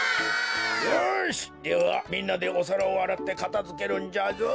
よしではみんなでおさらをあらってかたづけるんじゃぞ。